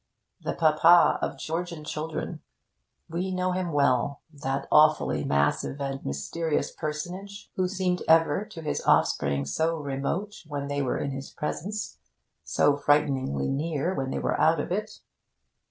The papa of Georgian children! We know him well, that awfully massive and mysterious personage, who seemed ever to his offspring so remote when they were in his presence, so frighteningly near when they were out of it.